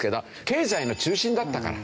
経済の中心だったから。